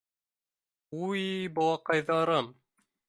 — Уй-й, балаҡайҙарым.